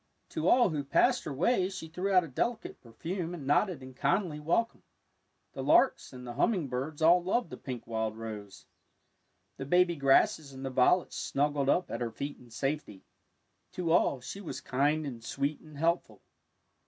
To all who passed her way she threw out a delicate perfume and nodded in kindly welcome. The larks and the humming birds all loved the pink wild rose. The baby grasses and the violets snuggled up at her feet in safety. To all she was kind and sweet and helpful.